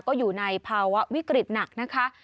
ก็อยู่ในภาวะวิกฤตหนักนะคะ